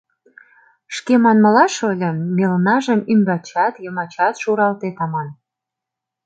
Шке манмыла, шольым, мелнажым ӱмбачат, йымачат шуралтет аман...